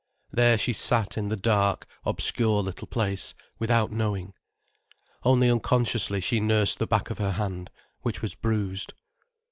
There she sat in the dark, obscure little place, without knowing. Only unconsciously she nursed the back of her hand, which was bruised.